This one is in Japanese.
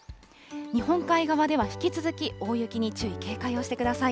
日本海側では引き続き大雪に注意、警戒をしてください。